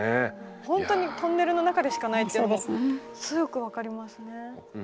ほんとにトンネルの中でしかないというのもすごくよく分かりますね。